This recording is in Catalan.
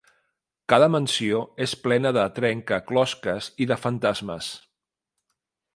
Cada mansió és plena de trencaclosques i de fantasmes.